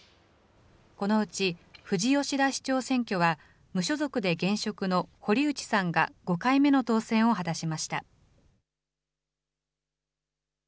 このうち富士吉田市長選挙は、無所属で現職の堀内さんが５回目の当選を果たしました。